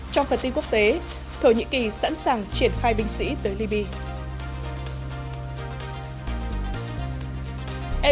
trong phần tin quốc tế thổ nhĩ kỳ sẵn sàng triển khai binh sĩ tới libya